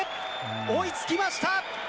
追いつきました！